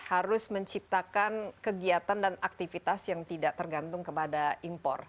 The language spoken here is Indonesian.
harus menciptakan kegiatan dan aktivitas yang tidak tergantung kepada impor